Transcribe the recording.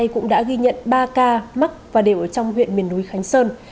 cũng đã ghi nhận ba ca mắc và đều ở trong huyện miền núi khánh sơn